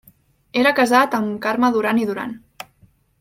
Era casat amb Carme Duran i Duran.